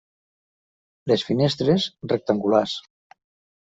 Les finestres, rectangulars.